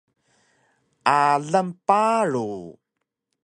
Alang paru